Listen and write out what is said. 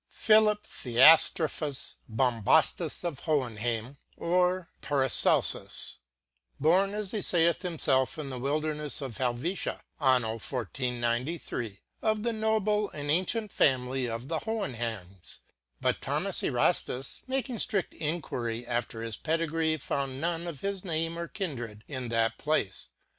PHilip Theophraftus Bombaftus of Hoenhaim, or Para celfus, born as he faith himfelf inthe wilderncffe of Helvetia, J^nno 1493. °f tne noble and ancient family of the Hoenhaims. But Thomas Eraftus making ftrid enquiry after his pedigree found none of his name or kinred in that place.